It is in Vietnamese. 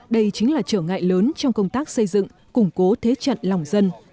đây chính là trở ngại lớn trong công tác xây dựng củng cố thế trận lòng dân